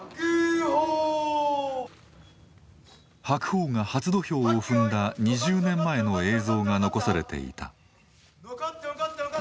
白鵬が初土俵を踏んだ２０年前の映像が残されていた。